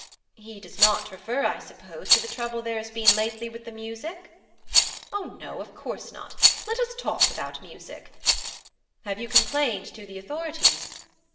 'He does not refer, I suppose, to the trouble there has been lately with the music?' 'Oh no, of course not. Let us talk about music.' 'Have you complained to the authorities?'